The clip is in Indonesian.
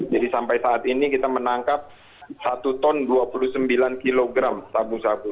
jadi sampai saat ini kita menangkap satu ton dua puluh sembilan kg sabu sabu